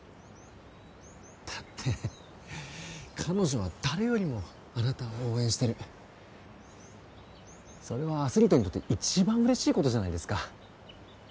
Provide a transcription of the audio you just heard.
だって彼女は誰よりもあなたを応援してるそれはアスリートにとって一番嬉しいことじゃないですか